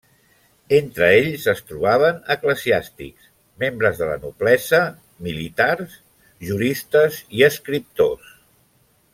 Entre ells es trobaven eclesiàstics, membres de la noblesa, militars, juristes i escriptors.